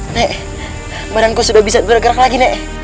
nek badanku sudah bisa bergerak lagi nek